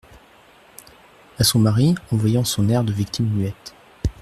A son mari, en voyant son air de victime muette.